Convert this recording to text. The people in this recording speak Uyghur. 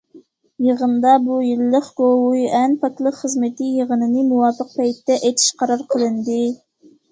يىغىندا، بۇ يىللىق گوۋۇيۈەن پاكلىق خىزمىتى يىغىنىنى مۇۋاپىق پەيتتە ئېچىش قارار قىلىندى.